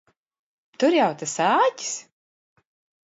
Tur jau tas āķis!